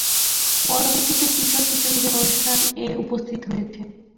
পরবর্তীতে কিশোর-কিশোরীদের অনুষ্ঠান ""-এ উপস্থিত হয়েছেন।